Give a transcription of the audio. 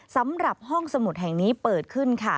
สำหรับห้องสมุดแห่งนี้เปิดขึ้นค่ะ